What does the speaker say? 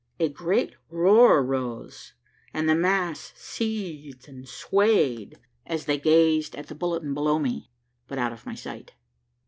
A great roar rose, and the mass seethed and swayed as they gazed at the bulletin below me, but out of my sight.